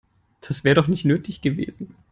Das wäre doch nicht nötig gewesen.